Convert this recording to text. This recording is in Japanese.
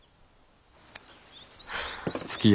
はあ。